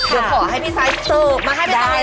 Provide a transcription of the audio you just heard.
เดี๋ยวขอให้พี่สายเสิร์ฟมาให้พี่สายได้ไหม